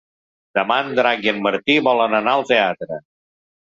Demà en Drac i en Martí volen anar al teatre.